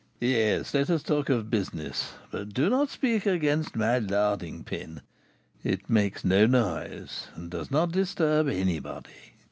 "Yes, let us talk of business; but do not speak against my 'larding pin;' it makes no noise, and does not disturb anybody."